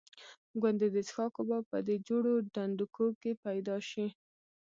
ګوندې د څښاک اوبه په دې جوړو ډنډوکو کې پیدا شي.